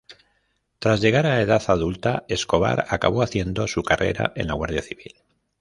Tras llegar a edad adulta, Escobar acabó haciendo su carrera en la Guardia Civil.